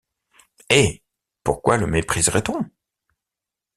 Eh! pourquoi le mépriserait-on?